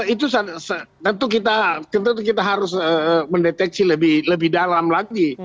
itu tentu kita harus mendeteksi lebih dalam lagi